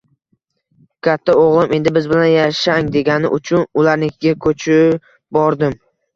Katta o`g`lim endi biz bilan yashang degani uchun ularnikiga ko`chib bordim